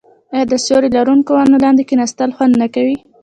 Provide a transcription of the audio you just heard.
آیا د سیوري لرونکو ونو لاندې کیناستل خوند نه کوي؟